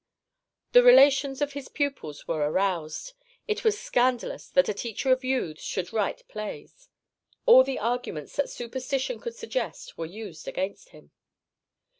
The relations of his pupils were aroused. It was scandalous that a teacher of youths should write plays. All the arguments that superstition could suggest were used against him.